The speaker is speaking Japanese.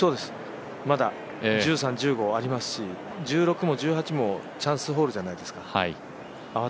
まだ１３、１５ありますし、１６も１８もチャンスホールじゃないですか。